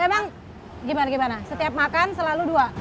emang gimana gimana setiap makan selalu dua